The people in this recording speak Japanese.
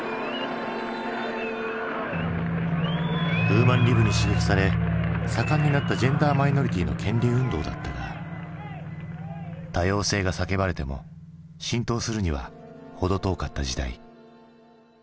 ウーマン・リブに刺激され盛んになったジェンダー・マイノリティーの権利運動だったが多様性が叫ばれても浸透するには程遠かった時代。